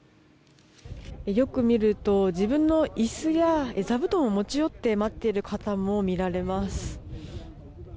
よく見ると自分の椅子や座布団を持ち寄って待っている方も見られます。